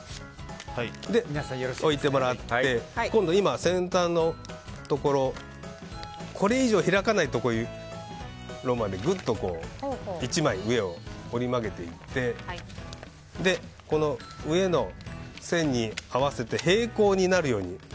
置いてもらって、先端のところこれ以上開かないところまでぐっと１枚上を折り曲げていってこの上の線に合わせて平行になるように。